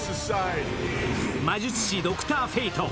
魔術師、ドクター・フェイト。